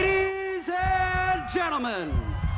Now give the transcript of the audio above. นี่เรื่องจริง